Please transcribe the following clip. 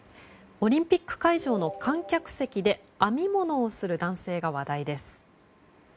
オリンピック会場の観客席で編み物をする男性が話題です。